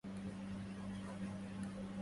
ولولاك لم تعدم دماء ممارة